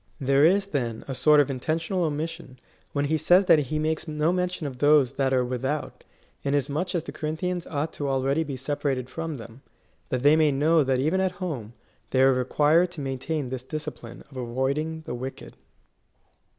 There is, then,^ a sort of intentional omission, when he says that he makes no men tion of those that are without, inasmuch as the Corinthians ought to be already separated from them, that they may know that even at home^ they required to maintain this discipline of avoiding the wicked.